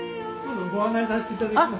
ご案内させていただきますので。